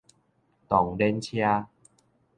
動輪車